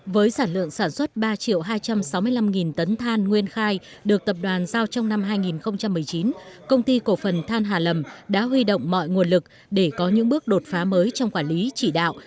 với sản lượng sản xuất ba hai trăm sáu mươi năm tấn than nguyên khai được tập đoàn giao trong năm hai nghìn một mươi chín công ty cổ phần than hà lầm đã huy động mọi nguồn lực để có những bước đột phá mới trong quản lý chỉ đạo